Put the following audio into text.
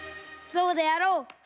そうであろう！